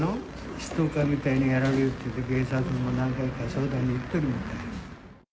ストーカーみたいにやられてるって、警察に何回か相談に行ってたみたい。